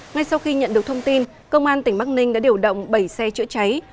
ngay sau khi nhận được thông tin công an tỉnh bắc ninh đã điều động bảy xe chữa cháy